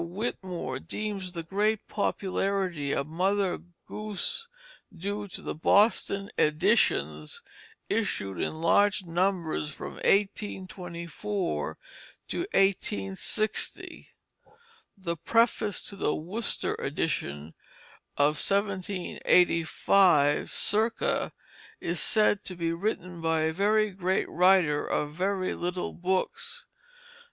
Whitmore deems the great popularity of "Mother Goose" due to the Boston editions issued in large numbers from 1824 to 1860. The preface to the Worcester edition of 1785 circa is said to be written by a very great writer of very little books.